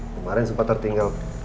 kemarin sempat tertinggal